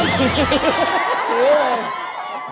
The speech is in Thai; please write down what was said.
ซื้อเลย